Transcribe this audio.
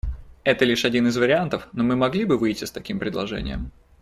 Это лишь один из вариантов, но мы могли бы выйти с таким предложением.